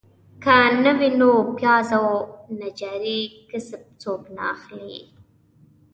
که نه وي نو پیاز او نجاري کسب څوک نه اخلي.